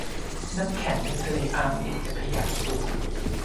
น้ำแข็งในทะเลอาร์กติกจะขยายตัว